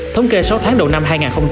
thống kê sáu tháng đầu năm hai nghìn hai mươi